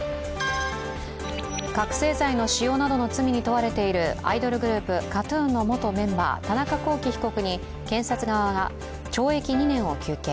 覚醒剤の使用などの罪に問われているアイドルグループＫＡＴ−ＴＵＮの元メンバー田中聖被告に検察側が懲役２年を求刑。